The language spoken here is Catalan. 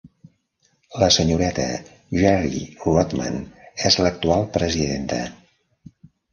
La senyoreta Geri Rodman és l'actual presidenta.